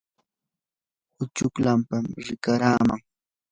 uchkulapam rikaraman.